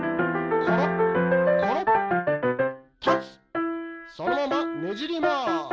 そのままねじりまーす。